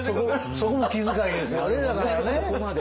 そこも気遣いですよねだからね。